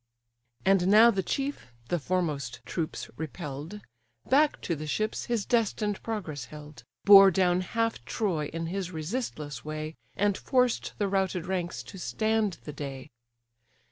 And now the chief (the foremost troops repell'd) Back to the ships his destined progress held, Bore down half Troy in his resistless way, And forced the routed ranks to stand the day.